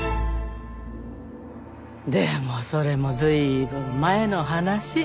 でもそれも随分前の話。